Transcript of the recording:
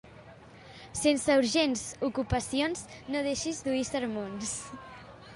Sense urgents ocupacions no deixis d'oir sermons.